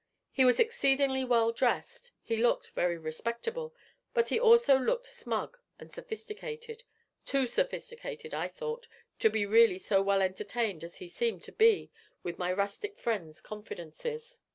He was exceedingly well dressed; he looked very respectable, but he also looked smug and sophisticated too sophisticated, I thought, to be really so well entertained as he seemed to be with my rustic friend's confidences.